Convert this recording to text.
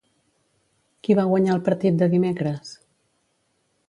Qui va guanyar el partit de dimecres?